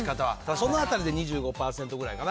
そのあたりで２５％ぐらいかな。